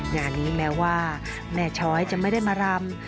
งานนี้แม้ว่าแม่ช้อยจะไม่ได้มารำ